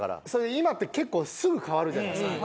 今って結構すぐ変わるじゃないですか。